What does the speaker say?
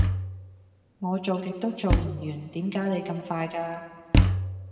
我做極都做唔完點解你咁快㗎